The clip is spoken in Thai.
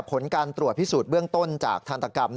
ผลการตรวจพิสูจน์เบื้องต้นจากทันตกรรม